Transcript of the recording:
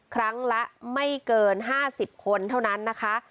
ครั้งละไม่เกิน๕๐คนเท่านั้นนะคะ